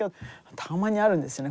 たまにあるんですよね